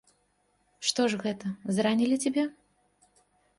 Што ж гэта, зранілі цябе?